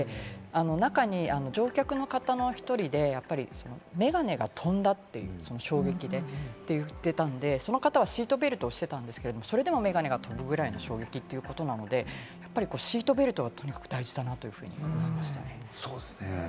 中に乗客の方の１人で、眼鏡が飛んだという、衝撃でって言っていたので、その方はシートベルトをしてたんですけれど、それでも眼鏡が飛ぶぐらいの衝撃ということなので、やっぱりシートベルトはとにかく大事だなって思いましたね。